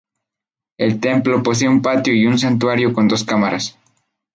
El templo posee un patio y un santuario con dos cámaras.